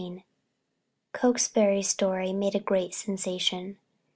XV Cokesbury's story made a great sensation.